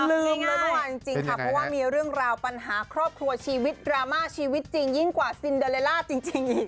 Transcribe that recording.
ลืมเลยเมื่อวานจริงค่ะเพราะว่ามีเรื่องราวปัญหาครอบครัวชีวิตดราม่าชีวิตจริงยิ่งกว่าซินเดอเลล่าจริงอีก